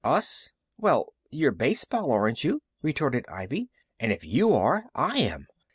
"Us? Well, you're baseball, aren't you?" retorted Ivy. "And if you are, I am.